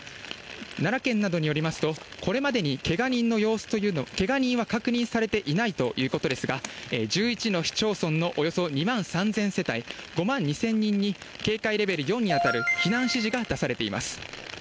奈良県などによりますと、これまでにけが人は確認されていないということですが、１１の市町村のおよそ２万３０００世帯、５万２０００人に警戒レベル４に当たる避難指示が出されています。